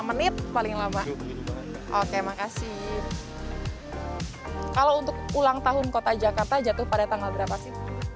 menit paling lama oke makasih kalau untuk ulang tahun kota jakarta jatuh pada tanggal berapa sih